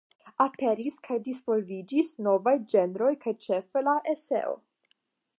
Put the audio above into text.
Aperis kaj disvolviĝis novaj ĝenroj kaj ĉefe la eseo.